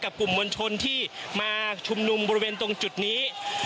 กลุ่มมวลชนที่มาชุมนุมบริเวณตรงจุดนี้